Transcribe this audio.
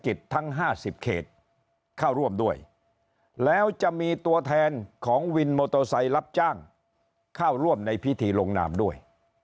เศรษฐกิจทั้งห้าสิบเขตเข้าร่วมด้วยแล้วจะมีตัวแทนของวินโมโตไซล์รับจ้างเข้าร่วมในพิธีลงนามด้วย